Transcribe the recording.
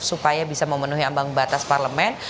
supaya bisa memenuhi ambang batas parlemen